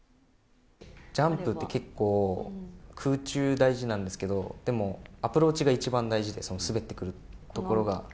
ジャンプって結構、空中大事なんですけど、でもアプローチが一番大事で、その滑ってくるところが。